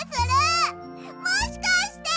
もしかして！